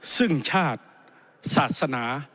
ซึ่งชาติศาสนา